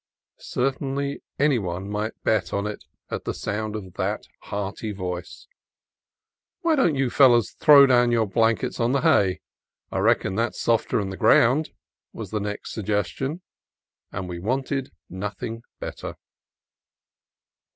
Certainly any one might bet on it at the sound of that hearty voice. "Why don't you fellers throw down your blankets on the hay? I reckon that's softer 'n the ground," was the next suggestion, and we wanted nothing better.